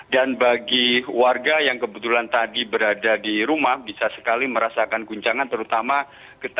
dan bagi warga yang kebetulan tadi berada di rumah bisa sekali merasakan guncangan terutama ketika